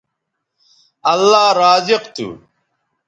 اللہ رازق تھو